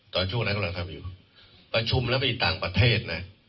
ช่วงนั้นกำลังทำอยู่ประชุมแล้วไปต่างประเทศนะ